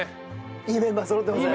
いいメンバーそろってます。